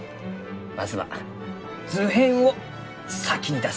まずは図編を先に出すがじゃ。